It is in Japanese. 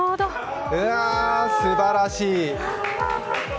うわ、すばらしい！